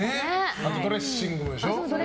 あとドレッシングでしょ？